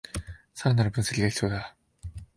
さらなる分析が必要だ